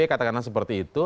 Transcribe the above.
katakanlah seperti itu